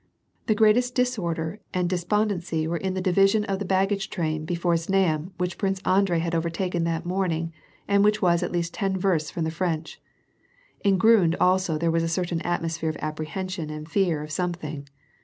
The greatest disorder and dosinni dency were in that division of the baggage train before Znaim which Prince Andrei had overtaken that morning and which was at least ten versts from the French. In Grund also there wiis a certain atmosphere of apprehension and fear of some thing.